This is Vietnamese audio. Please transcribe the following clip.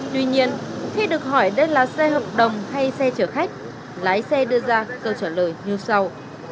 tuy nhiên khi được hỏi đây là xe hợp đồng hay xe chở khách lái xe đưa ra câu trả lời như sau